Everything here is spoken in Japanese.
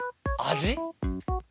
味？